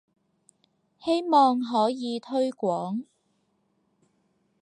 希望可以推廣